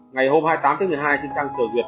ngày hai mươi tám một mươi hai trên trang trời việt